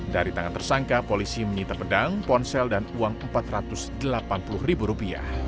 dari tangan tersangka polisi menyita pedang ponsel dan uang rp empat ratus delapan puluh